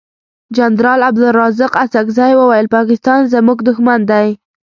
جنرال عبدلرازق اڅګزی وویل پاکستان زمونږ دوښمن دی.